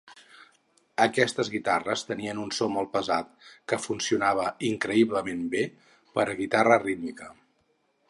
Aquestes guitarres tenien un so molt pesat, que funcionava increïblement bé per a guitarra rítmica.